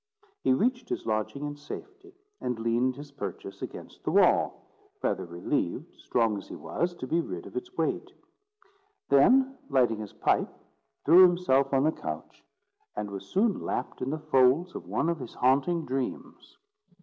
He reached his lodging in safety, and leaned his purchase against the wall, rather relieved, strong as he was, to be rid of its weight; then, lighting his pipe, threw himself on the couch, and was soon lapt in the folds of one of his haunting dreams.